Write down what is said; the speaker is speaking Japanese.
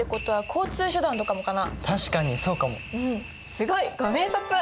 すごい！ご明察！